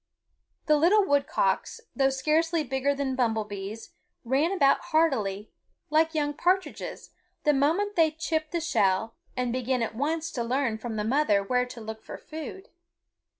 The little woodcocks, though scarcely bigger than bumblebees, run about hardily, like young partridges, the moment they chip the shell, and begin at once to learn from the mother where to look for food.